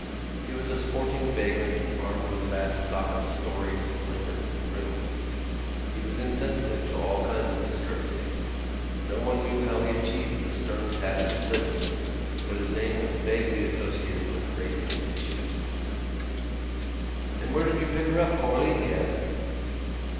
He was a sporting vagrant armed with a vast stock of stories, limericks and riddles. He was insensitive to all kinds of discourtesy. No one knew how he achieved the stern task of living, but his name was vaguely associated with racing tissues. "And where did you pick her up, Corley?" he asked.